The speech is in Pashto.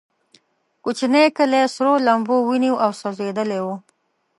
کوچنی کلی سرو لمبو ونیو او سوځېدلی و.